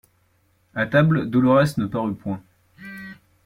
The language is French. A table, Dolorès ne parut point.